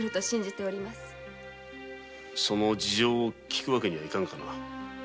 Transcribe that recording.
その事情を聞くわけにはいかんかな。